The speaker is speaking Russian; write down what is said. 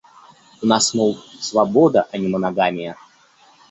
У нас, мол, свобода, а не моногамия.